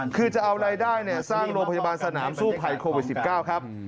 คือจะเอารายได้เนี่ยสร้างโรงพยาบาลสนามสู้ภัยโควิดสิบเก้าครับ